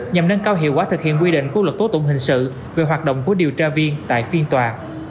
nhằm nâng cao hiệu quả thực hiện quy định của luật tố tụng hình sự về hoạt động của điều tra viên tại phiên tòa